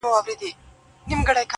خداى دي له بدوسترگو وساته تل